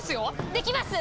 できます！